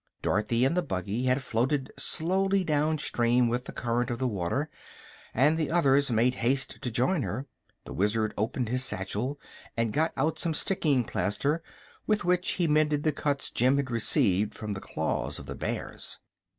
Dorothy and the buggy had floated slowly down stream with the current of the water, and the others made haste to join her. The Wizard opened his satchel and got out some sticking plaster with which he mended the cuts Jim had received from the claws of the bears.